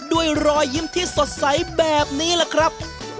ด้วยรอยยิ้มที่สดใสแบบนี้แหละครับ